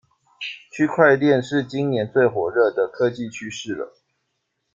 区块链是今年最火热的科技趋势了